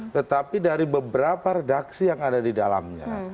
tetapi dari beberapa redaksi yang ada di dalamnya